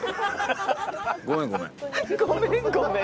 ごめんごめん。